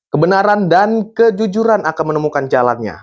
kebenaran dan kejujuran akan menemukan jalannya